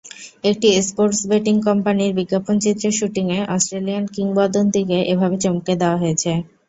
একটি sports betting কোম্পানির বিজ্ঞাপনচিত্রের শুটিংয়ে অস্ট্রেলিয়ান কিংবদন্তিকে এভাবে চমকে দেওয়া হয়েছে।